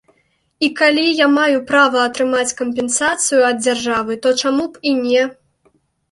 І калі я маю права атрымаць кампенсацыю ад дзяржавы, то чаму б і не.